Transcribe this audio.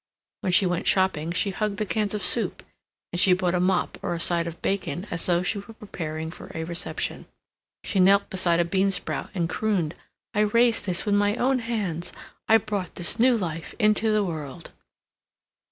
When she went shopping she hugged the cans of soup, and she bought a mop or a side of bacon as though she were preparing for a reception. She knelt beside a bean sprout and crooned, "I raised this with my own hands I brought this new life into the world."